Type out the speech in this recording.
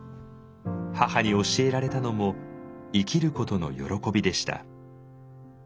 母に教えられたのも「生きることの喜び」でした。